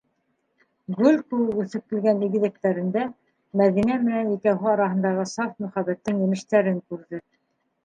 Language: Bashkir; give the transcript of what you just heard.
Гөл кеүек үҫеп килгән игеҙәктәрендә Мәҙинә менән икәүһе араһындағы саф мөхәббәттең емештәрен күрҙе.